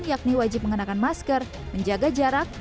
yakni wajib mengenakan masker menjaga jarak